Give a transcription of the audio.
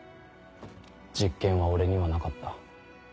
実権は俺にはなかった。